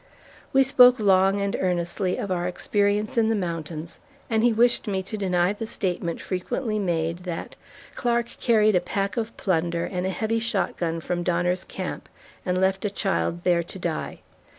We spoke long and earnestly of our experience in the mountains, and he wished me to deny the statement frequently made that, "Clark carried a pack of plunder and a heavy shotgun from Donner's Camp and left a child there to die."